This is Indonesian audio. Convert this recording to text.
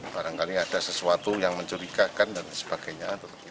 barangkali ada sesuatu yang mencurigakan dan sebagainya